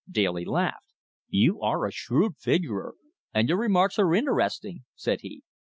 Daly laughed. "You are a shrewd figurer, and your remarks are interesting," said he.